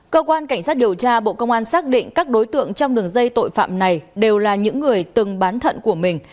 cơ quan cảnh sát điều tra bộ công an xác định các đối tượng trong đường dây tội phạm này đều là những người từng bán thận của mình